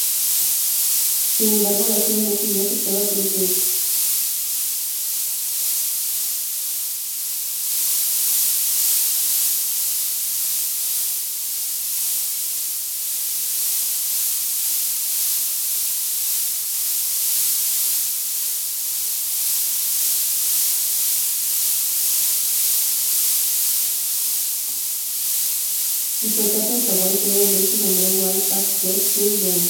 En su etapa en Hawaii fue dos veces nombrado All-PacWest Third Team.